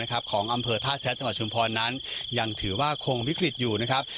ของอำเภอท่าแซะจังหวัดชุมพรนั้นยังถือว่าคงวิกฤตอยู่นะครับ